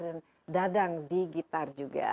dan dadang di gitar juga